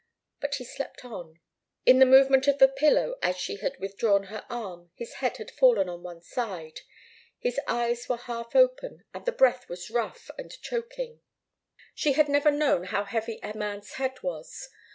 But he slept on. In the movement of the pillow as she had withdrawn her arm, his head had fallen on one side. His eyes were half open, and the breath was rough and choking. She had never known how heavy a man's head was.